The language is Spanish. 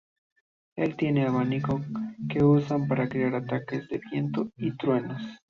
Él tiene abanico que usa para crear ataques de viento y truenos.